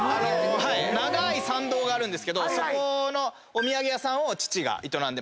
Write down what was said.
長い参道があるんですけどそこのお土産屋さんを。